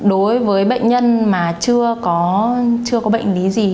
đối với bệnh nhân mà chưa có bệnh lý gì